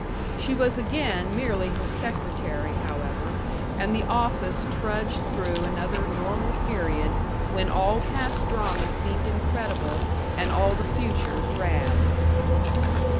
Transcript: She was again merely his secretary, however, and the office trudged through another normal period when all past drama seemed incredible and all the future drab.